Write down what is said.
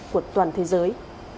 của toàn thế giới